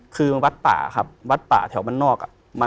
คือวัดป่าครับวัดป่าแถวบ้านนอก